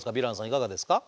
いかがですか？